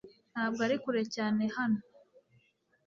Ntabwo ari kure cyane hano .